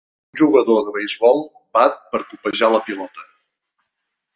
un jugador de beisbol bat per copejar la pilota.